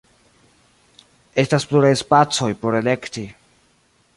Estas pluraj spacoj por elekti.